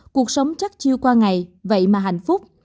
cuộc sống chắc chiêu qua ngày vậy mà hạnh phúc